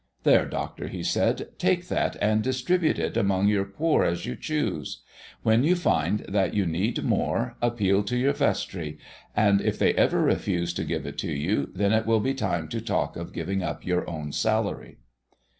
"There, doctor," he said, "take that and distribute it among your poor as you choose. When you find that you need more, appeal to your vestry, and if they ever refuse to give it to you, then it will be time to talk of giving up your own salary."